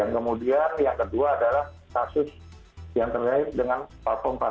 kemudian yang kedua adalah kasus yang terkait dengan platform